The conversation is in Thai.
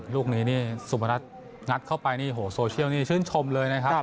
ลูกนี้สุภนัสงัดเข้าไปโซเชียลชื่นชมเลยนะครับ